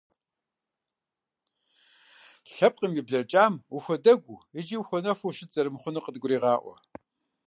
Лъэпкъым и блэкӀам ухуэдэгуу икӀи ухуэнэфу ущыт зэрымыхъунур къыдгурегъаӀуэ.